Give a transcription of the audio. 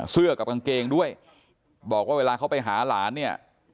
กับกางเกงด้วยบอกว่าเวลาเขาไปหาหลานเนี่ย